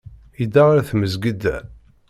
Yedda ɣer tmesgida.